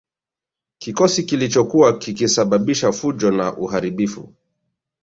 Kikosi kilichokuwa kikisababisha fujo na uharibifu